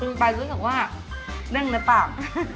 อืมไปรู้สึกว่าดึงในปาก